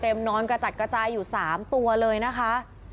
นอนกระจัดกระจายอยู่๓ตัวเลยนะคะ